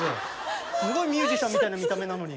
すごいミュージシャンみたいな見た目なのに。